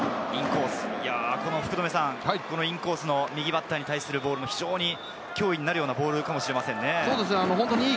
インコースの右バッターに対するボールは、脅威になるボールかもしれませんね。